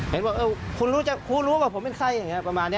บอกคุณรู้จักครูรู้ว่าผมเป็นใครอย่างนี้ประมาณนี้